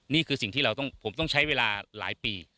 นี่คือสิ่งที่เราต้องใช้เวลาหลายปี